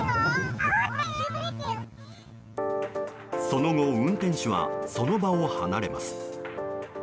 その後、運転手はその場を離れます。